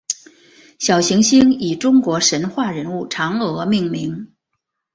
小行星以中国神话人物嫦娥命名。